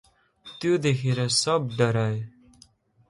त्यो देखेर सब डराए ।